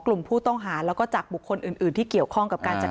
กลุ่มผู้ต้องหาแล้วก็จากบุคคลอื่นที่เกี่ยวข้องกับการจัด